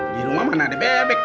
di rumah mana ada bebek